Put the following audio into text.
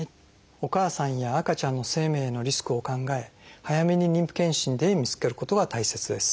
お母さんや赤ちゃんの生命のリスクを考え早めに妊婦健診で見つけることが大切です。